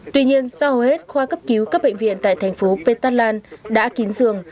tuy nhiên sau hết khoa cấp cứu các bệnh viện tại thành phố petatlan đã kín dường